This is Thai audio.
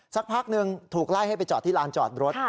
สักพักหนึ่งถูกไล่ให้ไปจอดที่ลานจอดรถ